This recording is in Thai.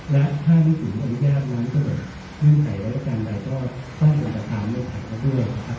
และท่านิสินวันยาวน้ำเกิดรื่องไขและการรายการต้องการสร้างอุณหภาษาเข้าด้วย